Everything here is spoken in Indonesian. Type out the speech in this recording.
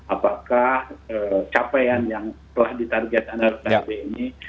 apakah capaian yang telah ditargetan oleh ruhb ini